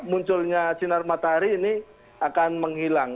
munculnya sinar matahari ini akan menghilang